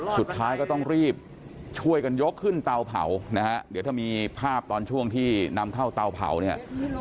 สุดท้ายก็ต้องรีบช่วยกันยกขึ้นเตาเผานะฮะเดี๋ยวถ้ามีภาพตอนช่วงที่นำเข้าเตาเผาเนี่ย